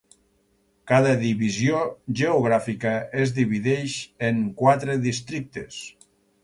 Cada divisió geogràfica es divideix en quatre districtes.